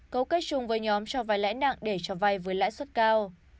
cấu kết chung với nhóm cho vai lãi nặng để cho vay với lãi suất cao